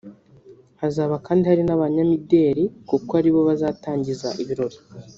hazaba kandi hari n’abanyamideri kuko aribo bazatangiza ibirori